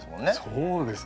そうです。